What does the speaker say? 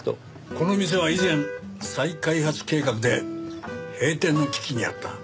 この店は以前再開発計画で閉店の危機にあった。